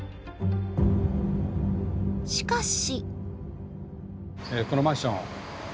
しかし。